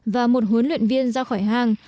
và một huấn luyện viên ra khỏi hang